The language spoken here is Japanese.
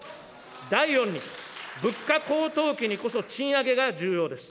第四に、物価高騰期にこそ賃上げが重要です。